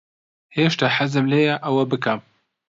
هێشتا حەزم لێیە ئەوە بکەم.